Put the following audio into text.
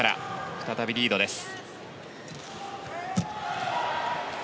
再びリードです。